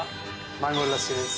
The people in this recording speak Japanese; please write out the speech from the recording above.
マンゴーラッシーです。